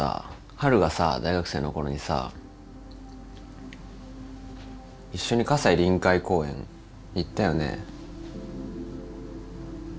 ハルがさ大学生の頃にさ一緒に西臨海公園行ったよね。